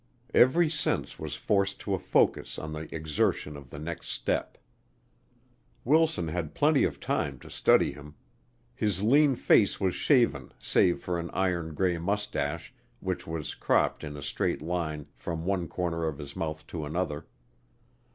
Every sense was forced to a focus on the exertion of the next step. Wilson had plenty of time to study him. His lean face was shaven save for an iron gray moustache which was cropped in a straight line from one corner of his mouth to another.